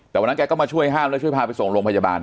แต่วันนั้นแกก็มาช่วยห้ามแล้วช่วยพาไปส่งโรงพยาบาล